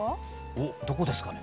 おっどこですかね？